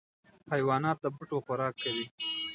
حیوانات د بوټو خوراک کوي.